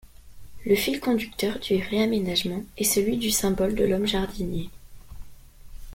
Le fil conducteur du réaménagement est celui du symbole de l’homme-jardinier.